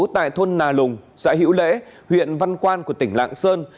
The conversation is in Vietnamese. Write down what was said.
tại thôn nà lùng xã hữu lễ huyện văn quan của tỉnh lạng sơn